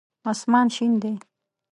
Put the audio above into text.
اسمان شین دی